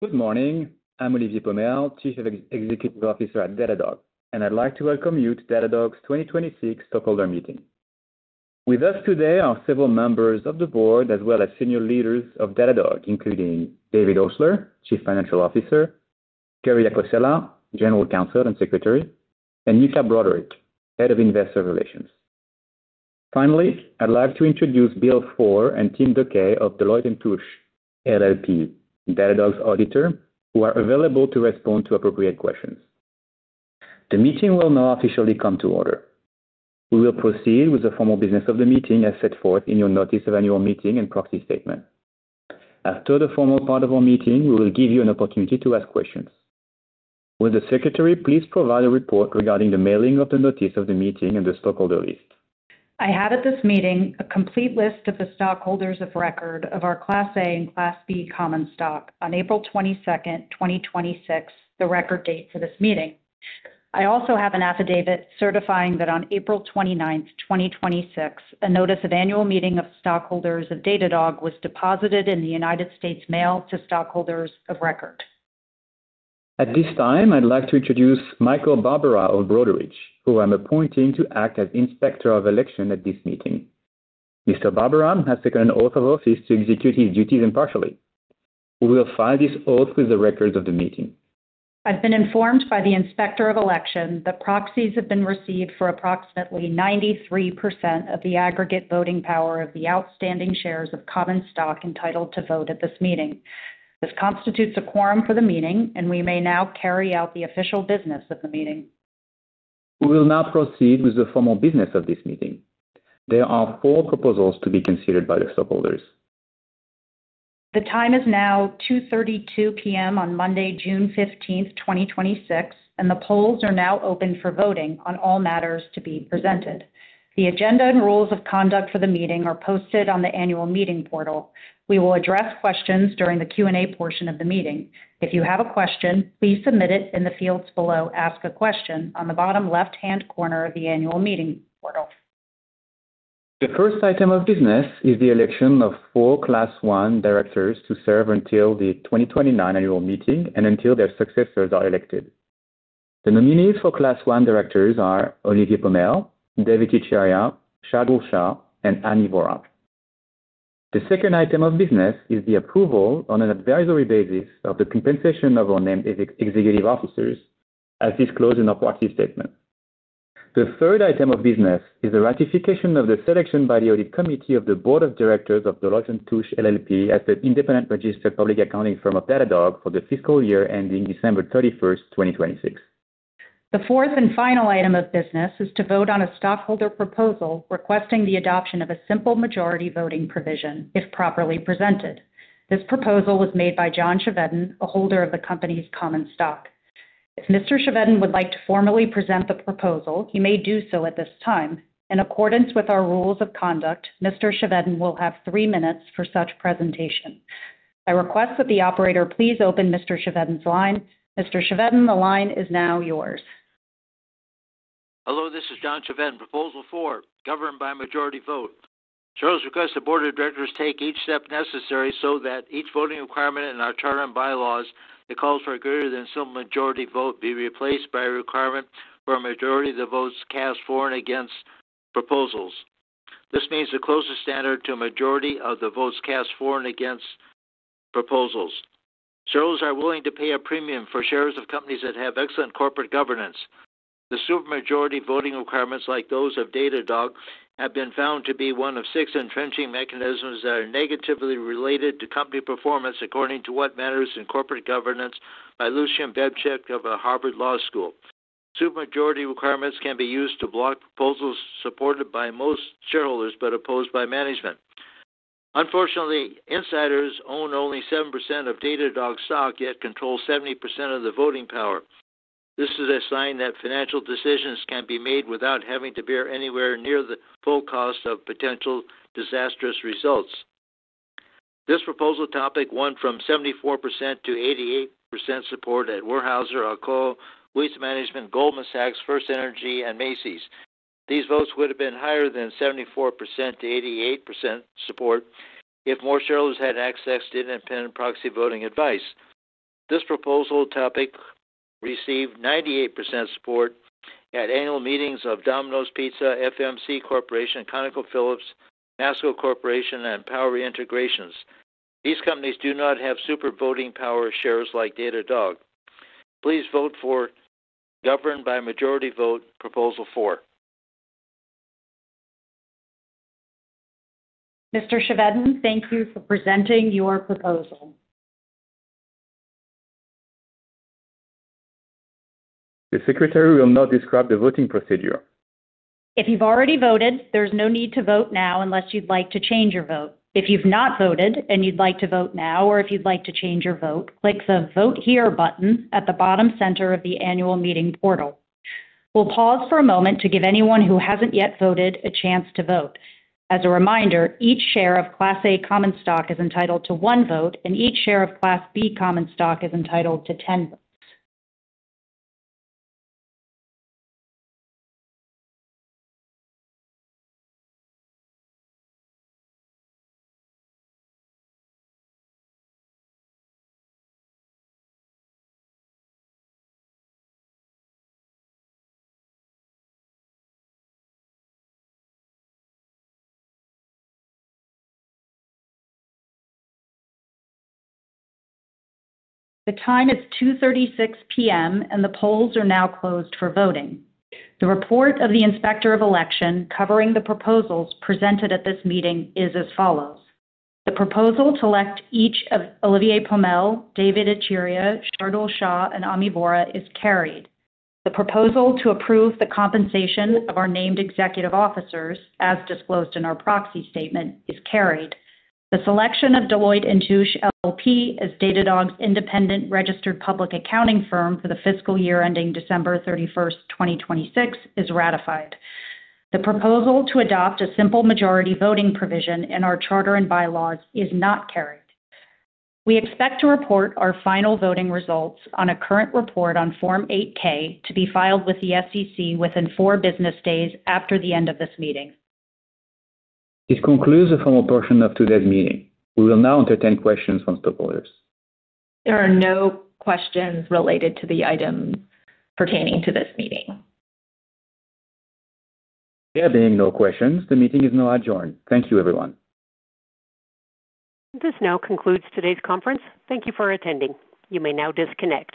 Good morning. I'm Olivier Pomel, Chief Executive Officer at Datadog, and I'd like to welcome you to Datadog's 2026 Shareholder Meeting. With us today are several members of the board, as well as senior leaders of Datadog, including David Obstler, Chief Financial Officer, Kerry Acocella, General Counsel and Secretary, and Yuka Broderick, Head of Investor Relations. Finally, I'd like to introduce Bill Foor and Tim Duque of Deloitte & Touche LLP, Datadog's auditor, who are available to respond to appropriate questions. The meeting will now officially come to order. We will proceed with the formal business of the meeting as set forth in your notice of annual meeting and proxy statement. After the formal part of our meeting, we will give you an opportunity to ask questions. Will the secretary please provide a report regarding the mailing of the notice of the meeting and the stockholder list? I have at this meeting a complete list of the stockholders of record of our Class A and Class B common stock on April 22nd, 2026, the record date for this meeting. I also have an affidavit certifying that on April 29th, 2026, a notice of annual meeting of stockholders of Datadog was deposited in the United States Mail to stockholders of record. At this time, I'd like to introduce Michael Levan of Broadridge, who I'm appointing to act as Inspector of Election at this meeting. Mr. Levan has taken an oath of office to execute his duties impartially. We will file this oath with the records of the meeting. I've been informed by the Inspector of Election that proxies have been received for approximately 93% of the aggregate voting power of the outstanding shares of common stock entitled to vote at this meeting. This constitutes a quorum for the meeting, and we may now carry out the official business of the meeting. We will now proceed with the formal business of this meeting. There are four proposals to be considered by the stockholders. The time is now 2:32 P.M. on Monday, June 15th, 2026, and the polls are now open for voting on all matters to be presented. The agenda and rules of conduct for the meeting are posted on the annual meeting portal. We will address questions during the Q&A portion of the meeting. If you have a question, please submit it in the fields below Ask a Question on the bottom left-hand corner of the annual meeting portal. The first item of business is the election of four Class I directors to serve until the 2029 annual meeting and until their successors are elected. The nominees for Class I directors are Olivier Pomel, Dev Ittycheria, Shardul Shah, and Ami Vora. The second item of business is the approval on an advisory basis of the compensation of our named executive officers as disclosed in our proxy statement. The third item of business is the ratification of the selection by the Audit Committee of the Board of Directors of Deloitte & Touche LLP as the independent registered public accounting firm of Datadog for the fiscal year ending December 31st, 2026. The fourth and final item of business is to vote on a stockholder proposal requesting the adoption of a simple majority voting provision if properly presented. This proposal was made by John Chevedden, a holder of the company's common stock. If Mr. Chevedden would like to formally present the proposal, he may do so at this time. In accordance with our rules of conduct, Mr. Chevedden will have three minutes for such presentation. I request that the operator please open Mr. Chevedden's line. Mr. Chevedden, the line is now yours. Hello, this is John Chevedden, Proposal four, governed by majority vote. Shareholders request the board of directors take each step necessary so that each voting requirement in our charter and bylaws that calls for a greater than simple majority vote be replaced by a requirement for a majority of the votes cast for and against proposals. This means the closest standard to a majority of the votes cast for and against proposals. Shareholders are willing to pay a premium for shares of companies that have excellent corporate governance. The super majority voting requirements like those of Datadog have been found to be one of six entrenching mechanisms that are negatively related to company performance according to What Matters in Corporate Governance? by Lucian Bebchuk of the Harvard Law School. Super majority requirements can be used to block proposals supported by most shareholders but opposed by management. Unfortunately, insiders own only 7% of Datadog's stock, yet control 70% of the voting power. This is a sign that financial decisions can be made without having to bear anywhere near the full cost of potential disastrous results. This proposal topic won from 74%-88% support at Weyerhaeuser, Alcoa, Waste Management, Goldman Sachs, FirstEnergy, and Macy's. These votes would have been higher than 74%-88% support if more shareholders had access to independent proxy voting advice. This proposal topic received 98% support at annual meetings of Domino's Pizza, FMC Corporation, ConocoPhillips, Masco Corporation, and Power Integrations. These companies do not have super voting power shares like Datadog. Please vote for governed by majority vote Proposal four. Mr. Chevedden, thank you for presenting your proposal. The secretary will now describe the voting procedure. If you've already voted, there's no need to vote now unless you'd like to change your vote. If you've not voted and you'd like to vote now or if you'd like to change your vote, click the Vote Here button at the bottom center of the annual meeting portal. We'll pause for a moment to give anyone who hasn't yet voted a chance to vote. As a reminder, each share of Class A common stock is entitled to one vote, and each share of Class B common stock is entitled to 10 votes. The time is 2:36 P.M., and the polls are now closed for voting. The report of the Inspector of Election covering the proposals presented at this meeting is as follows. The proposal to elect each of Olivier Pomel, Dev Ittycheria, Shardul Shah, and Ami Vora is carried. The proposal to approve the compensation of our named executive officers, as disclosed in our proxy statement, is carried. The selection of Deloitte & Touche LLP as Datadog's independent registered public accounting firm for the fiscal year ending December 31st, 2026, is ratified. The proposal to adopt a simple majority voting provision in our charter and bylaws is not carried. We expect to report our final voting results on a current report on Form 8-K to be filed with the SEC within four business days after the end of this meeting. This concludes the formal portion of today's meeting. We will now entertain questions from stockholders. There are no questions related to the item pertaining to this meeting. There being no questions, the meeting is now adjourned. Thank you, everyone. This now concludes today's conference. Thank you for attending. You may now disconnect.